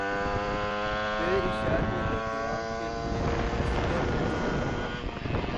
تیرے اشعار میں نوجواں کے لیے نصیحت ھے چھپی